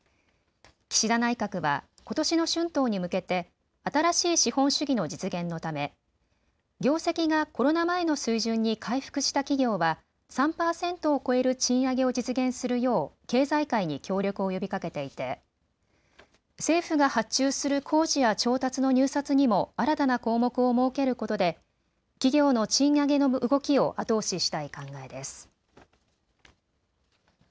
岸田内閣はことしの春闘に向けて新しい資本主義の実現のため、業績がコロナ前の水準に回復した企業は３％を超える賃上げを実現するよう経済界に協力を呼びかけていて、政府が発注する工事や調達の入札にも新たな項目を設けることで企業の賃上げの動きを後押ししたい考えです。